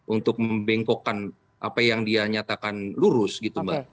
untuk membengkokkan apa yang dia nyatakan lurus gitu mbak